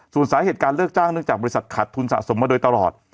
ส่วนสาเหตุการเลิกจ้างเนื่องจากบริษัทขาดทุนสะสมมาโดยตลอด